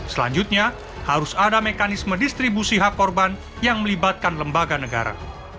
selanjutnya harus ada mekanisme distribusi hak korban yang melibatkan lembaga negara